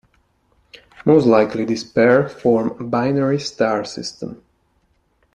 Most likely this pair form a binary star system.